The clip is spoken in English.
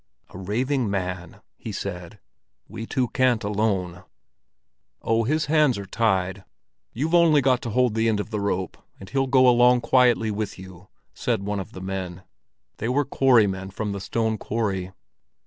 "A raving man?" he said. "We two can't alone." "Oh, his hands are tied. You've only got to hold the end of the rope and he'll go along quietly with you," said one of the men. They were quarrymen from the stone quarry.